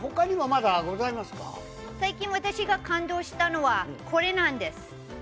最近、私が感動したのはこれなんです。